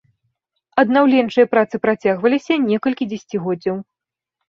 Аднаўленчыя працы працягваліся некалькі дзесяцігоддзяў.